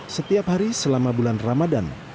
setiap hari selama bulan ramadan